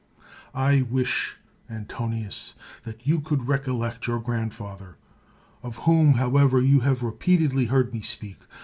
I wish, Antonius, that you could recollect your grandfather, of whom, however, you have repeatedly heard me speak.